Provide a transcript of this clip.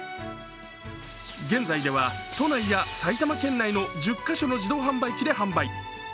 現在では都内や埼玉県内の１０カ所の自動販売機で販売。